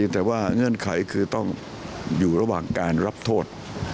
แต่ว่าเงื่อนไขคือต้องอยู่ระหว่างการรับโทษ